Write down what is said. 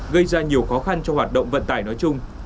gây ra nhiều khó khăn cho hoạt động vận tải nói chung